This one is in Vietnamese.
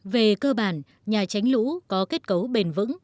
về cơ bản nhà tránh lũ có kết cấu bền vững